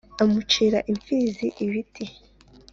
amucira imfizi ibitsi